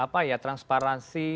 apa ya transparansi